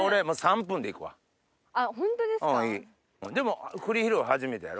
でも栗拾いは初めてやろ？